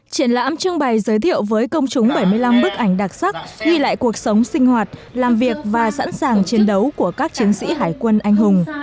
triển lãm trưng bày giới thiệu với công chúng bảy mươi năm bức ảnh đặc sắc ghi lại cuộc sống sinh hoạt làm việc và sẵn sàng chiến đấu của các chiến sĩ hải quân anh hùng